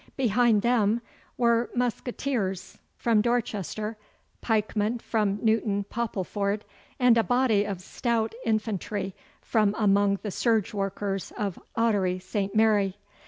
Behind them were musqueteers from Dorchester, pikemen from Newton Poppleford, and a body of stout infantry from among the serge workers of Ottery St. Mary.